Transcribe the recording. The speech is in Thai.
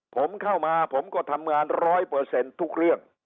ผมเข้ามาผมก็ทำงานร้อยเปอร์เซ็นต์ทุกเรื่อง